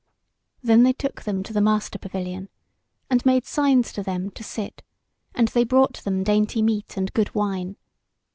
Then they took them to the master pavilion, and made signs to them to sit, and they brought them dainty meat and good wine.